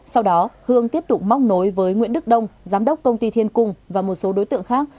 sau đó hương tiếp tục móc nối với nguyễn đức đông giám đốc công ty thiên cung và một số đối tượng khác